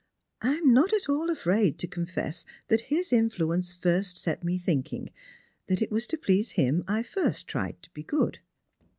I am not at all afraid to confess that his influence first set me thinking ; that it was to please him I first tried to be good."